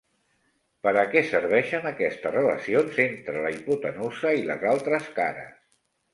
Per a què serveixen aquestes relacions entre la hipotenusa i les altres cares?